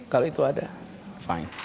kalau itu ada fine